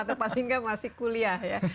atau paling nggak masih kuliah ya